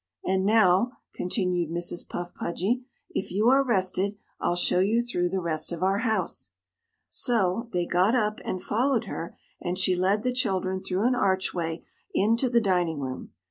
"And now," continued Mrs. Puff Pudgy, "if you are rested, I'll show you through the rest of our house." So, they got up and followed her, and she led the children through an archway into the dining room.